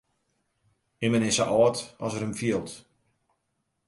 Immen is sa âld as er him fielt.